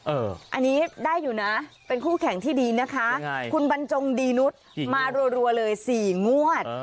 อันนี้ได้อยู่นะเป็นคู่แข่งที่ดีนะคะคุณบรรจงดีนุษย์มารัวเลย๔งวด